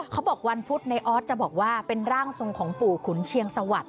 เขาบอกวันพุธในออสจะบอกว่าเป็นร่างทรงของปู่ขุนเชียงสวัสดิ